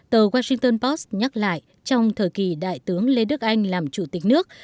tờ washington post nhắc lại trong thời kỳ đại tướng lê đức anh làm chủ tịch nước